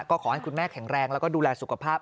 ก็ขอให้คุณแม่แข็งแรงแล้วก็ดูแลสุขภาพ